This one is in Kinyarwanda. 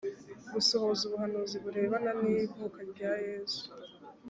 gusohoza ubuhanuzi burebana n’ivuka rya yesu